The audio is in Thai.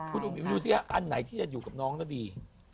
คุณอุมิวรู้สิอ่ะอันไหนที่จะอยู่กับน้องก็ดี